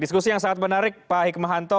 diskusi yang sangat menarik pak hikmahanto